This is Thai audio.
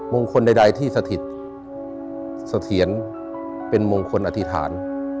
คนใดที่สถิตเสถียรเป็นมงคลอธิษฐาน